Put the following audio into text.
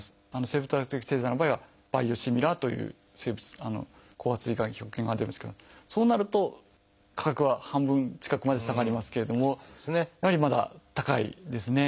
生物学的製剤の場合は「バイオシミラー」という出るんですけどそうなると価格は半分近くまで下がりますけれどもやはりまだ高いですね。